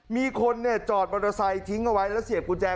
มีคนจอดมอเตอร์ไซค์ทิ้งเอาไว้แล้วเสียบกุญแจ